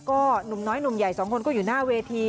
ก็หนุ่มน้อยหนุ่มใหญ่สองคนก็อยู่หน้าเวที